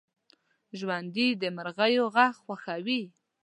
ژوندي د مرغیو غږ خوښوي